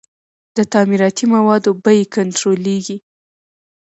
د تعمیراتي موادو بیې کنټرولیږي؟